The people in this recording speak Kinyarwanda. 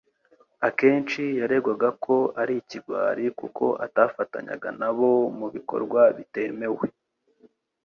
Akenshi yaregwaga ko ari ikigwari kuko atafatanyaga na bo mu bikorwa bitemewe